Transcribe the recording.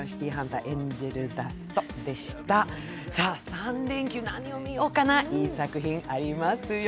３連休、何を見ようかな、いい作品ありますよ。